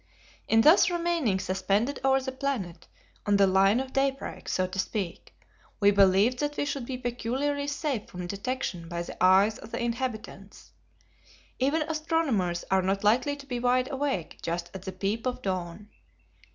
In thus remaining suspended over the planet, on the line of daybreak, so to speak, we believed that we should be peculiarly safe from detection by the eyes of the inhabitants. Even astronomers are not likely to be wide awake just at the peep of dawn.